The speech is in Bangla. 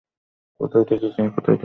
কোথায় থেকে কিনেছ?